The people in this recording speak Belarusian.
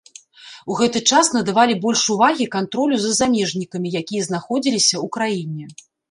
У гэты час надавалі больш увагі кантролю за замежнікамі якія знаходзіліся ў краіне.